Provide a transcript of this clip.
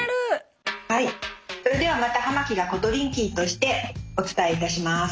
それではまた濱木がコトリンキーとしてお伝えいたします。